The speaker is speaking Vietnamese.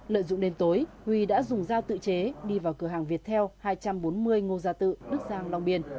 lợi dụng đêm tối huy đã dùng dao tự chế đi vào cửa hàng việt theo hai trăm bốn mươi ngô gia tự đức giang long biên